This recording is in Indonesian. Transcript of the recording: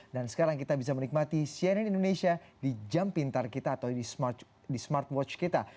dan sekarang kita bisa menikmati cnn indonesia di jam pintar kita atau di smartwatch kita